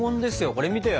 これ見てよ。